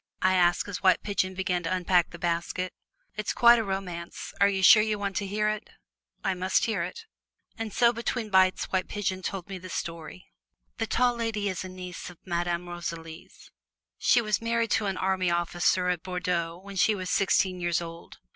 I asked, as White Pigeon began to unpack the basket. "It's quite a romance; are you sure you want to hear it?" "I must hear it." And so between bites White Pigeon told me the story. The Tall Lady is a niece of Madame Rosalie's. She was married to an army officer at Bordeaux when she was sixteen years old.